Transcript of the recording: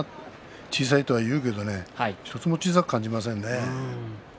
小さいというけれども１つも小さく感じませんよ。